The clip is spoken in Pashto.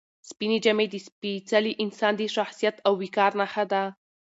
سپینې جامې د سپېڅلي انسان د شخصیت او وقار نښه ده.